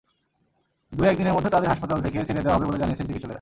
দু-এক দিনের মধ্যে তাঁদের হাসপাতাল থেকে ছেড়ে দেওয়া হবে বলে জানিয়েছেন চিকিৎসকেরা।